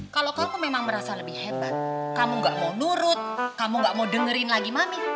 kalau kamu memang merasa lebih hebat kamu gak mau nurut kamu gak mau dengerin lagi mami